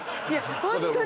ホントに。